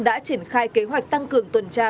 đã triển khai kế hoạch tăng cường tuần tra